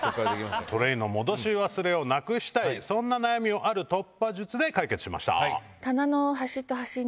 トレイの戻し忘れをなくしたいそんな悩みをある突破術で解決しました。